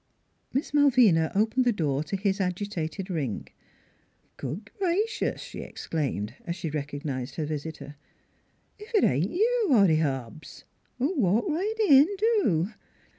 Miss Malvina opened the door to his agitated ring. " Good gracious !" she exclaimed, as she recog nized her visitor, " if it ain't you, Hoddy Hobbs ! Walk right in, do."